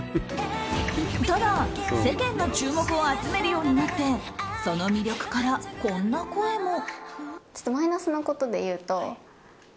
ただ、世間の注目を集めるようになってその魅力から、こんな声も。